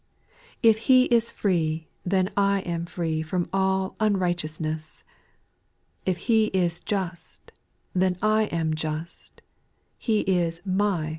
9. If He is free, then I am free From all unrighteousness ; If lie is just, then I am just.